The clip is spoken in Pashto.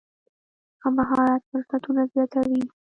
ښه مهارت فرصتونه زیاتوي.